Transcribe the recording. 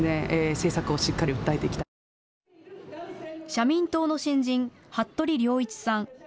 社民党の新人、服部良一さん。